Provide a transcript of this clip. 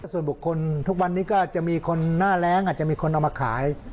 ส่วนบุคคลทุกวันนี้ก็จะมีคนหน้าแรงอาจจะมีคนเอามาขาย